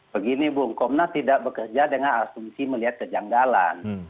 begini bung komnas tidak bekerja dengan asumsi melihat kejanggalan